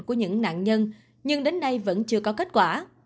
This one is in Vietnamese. của những nạn nhân nhưng đến nay vẫn chưa có kết quả